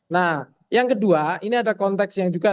nah yang kedua ini ada konteks yang juga